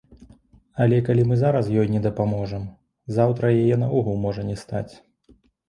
Але калі мы зараз ёй не дапаможам, заўтра яе наогул можа не стаць.